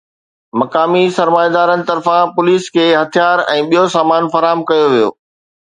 مقامي سرمائيدارن طرفان پوليس کي هٿيار ۽ ٻيو سامان فراهم ڪيو ويو